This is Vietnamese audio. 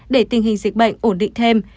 để tình hình dịch bệnh ổn định thêm